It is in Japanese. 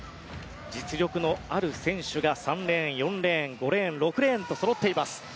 実力のある選手が３レーン４レーン、５レーン、６レーンとそろっています。